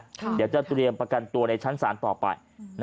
เดี๋ยวจะเตรียมประกันตัวในชั้นศาลต่อไป